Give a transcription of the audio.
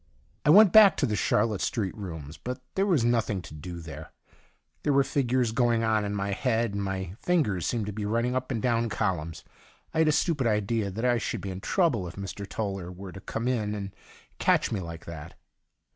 I went back to the Charlotte Street rooms, but there was nothing to do there. There were figures going on in my head, and my fingers seemed to be running up and down columns. I had a stupid idea that I should be in trouble if Mr. Toller were to come in and catch me like that.